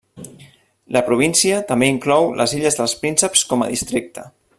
La província també inclou les Illes dels Prínceps com a districte.